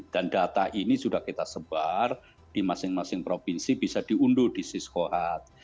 dan data ini sudah kita sebar di masing masing provinsi bisa diunduh di siskohat